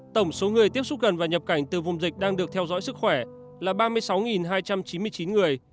tổng số người tiếp xúc gần và nhập cảnh từ vùng dịch đang được theo dõi sức khỏe là ba mươi sáu hai trăm chín mươi chín người